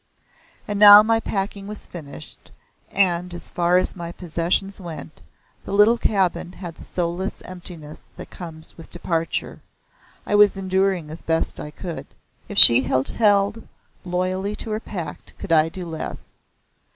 And now my packing was finished, and, as far as my possessions went, the little cabin had the soulless emptiness that comes with departure. I was enduring as best I could. If she had held loyally to her pact, could I do less.